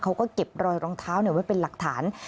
เขาก็เก็บรอยรองเท้าไว้เป็นหลักฐาน